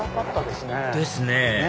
ですね